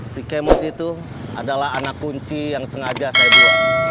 si kemot itu adalah anak kunci yang sengaja saya buat